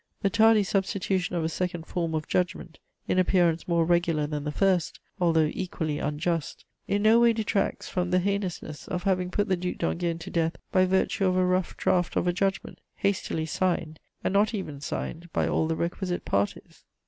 The tardy substitution of a second form of judgment, in appearance more regular than the first (although equally unjust), in no way detracts from the heinousness of having put the Duc d'Enghien to death by virtue of a rough draft of a judgment, hastily signed, and not even signed by all the requisite parties."